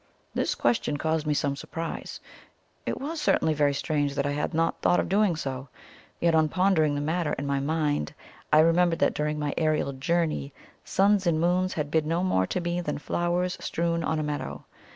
This question caused me some surprise. It was certainly very strange that I had not thought of doing so. Yet, on pondering the matter in my mind, I remembered that during my aerial journey suns and moons had been no more to me than flowers strewn on a meadow.